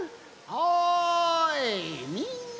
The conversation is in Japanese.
おいみんな。